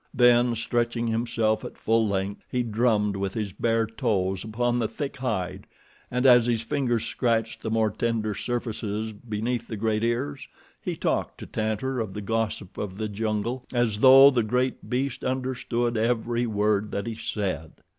Then stretching himself at full length, he drummed with his bare toes upon the thick hide, and as his fingers scratched the more tender surfaces beneath the great ears, he talked to Tantor of the gossip of the jungle as though the great beast understood every word that he said.